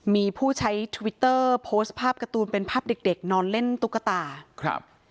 มีผู้ใช้ทวิตเตอร์โพสต์ภาพการ์ตูนเป็นภาพเด็กเด็กนอนเล่นตุ๊กตาครับ